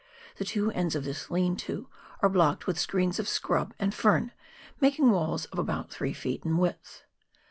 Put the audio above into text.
The two ends of this "lean to" are blocked with screens of scrub and fern, making walls of about three feet in width.